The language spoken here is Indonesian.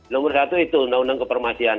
nomor satu itu undang undang kepermasian